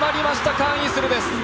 カン・イスルです。